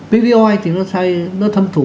pvoi thì nó thâm thủ